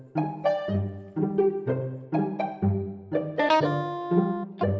tidak ada yang mau mencari